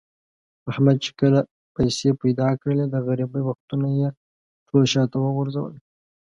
احمد چې کله پیسې پیدا کړلې، د غریبۍ وختونه یې ټول شاته و غورځول.